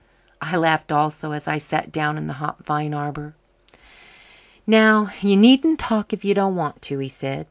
I laughed also, as I sat down in the hop vine arbour. "Now, you needn't talk if you don't want to," he said.